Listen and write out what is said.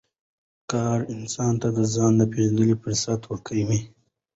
کار انسان ته د ځان د پېژندنې فرصت ورکوي